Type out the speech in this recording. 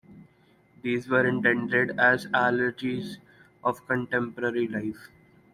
These were intended as allegories of contemporary life.